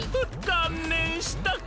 かんねんしたか！